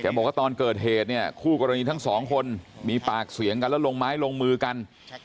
บอกว่าตอนเกิดเหตุเนี่ยคู่กรณีทั้งสองคนมีปากเสียงกันแล้วลงไม้ลงมือกัน